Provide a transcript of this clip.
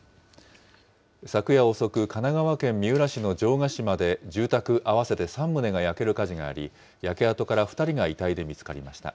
昨夜遅く、神奈川県三浦市の城ヶ島で、住宅合わせて３棟が焼ける火事があり、焼け跡から２人が遺体で見つかりました。